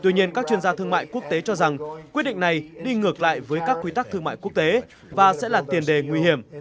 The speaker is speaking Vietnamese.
nhà thương mại quốc tế cho rằng quyết định này đi ngược lại với các quy tắc thương mại quốc tế và sẽ là tiền đề nguy hiểm